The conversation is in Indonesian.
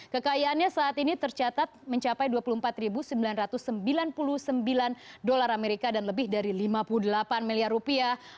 kekayaannya saat ini tercatat mencapai dua puluh empat sembilan ratus sembilan puluh sembilan dolar amerika dan lebih dari lima puluh delapan miliar rupiah